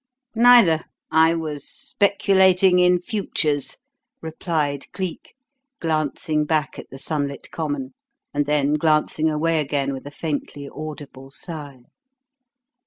"Neither. I was speculating in futures," replied Cleek, glancing back at the sunlit common, and then glancing away again with a faintly audible sigh.